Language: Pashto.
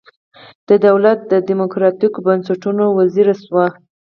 د دولت د دموکراتیکو بنسټونو وزیره شوه.